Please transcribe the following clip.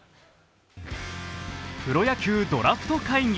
プロ野球ドラフト会議。